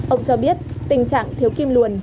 ông cho biết tình trạng thiếu kim luồn